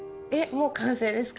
もう完成ですか？